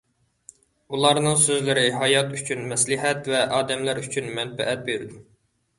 ئۇلارنىڭ سۆزلىرى ھايات ئۈچۈن مەسلىھەت ۋە ئادەملەر ئۈچۈن مەنپەئەت بېرىدۇ.